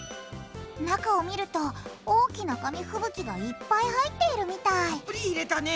中を見ると大きな紙ふぶきがいっぱい入っているみたいたっぷり入れたね。